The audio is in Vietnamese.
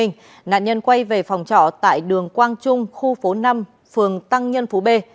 nạn nhân quay về phòng trọ tại đường quang trung khu phố năm phường tăng nhân phú b